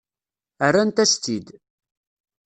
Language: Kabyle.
Rrant-as-tt-id.